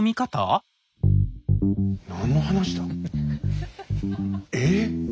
何の話だ。え？